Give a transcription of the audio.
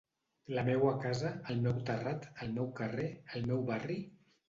La meua casa, el meu terrat, el meu carrer, el meu barri...